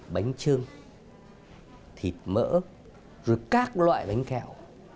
bánh trưng thịt mỡ rồi các loại bánh kẹo